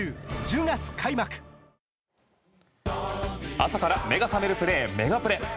朝から目が覚めるプレーメガプレ。